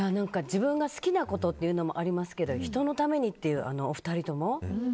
自分が好きなことっていうのもありますけど人のためにという、２人とも。